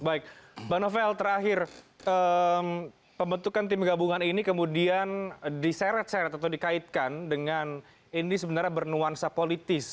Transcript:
baik mbak novel terakhir pembentukan tim gabungan ini kemudian diseret seret atau dikaitkan dengan ini sebenarnya bernuansa politis